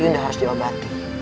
yunda harus diobati